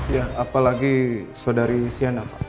ya apalagi saudari siena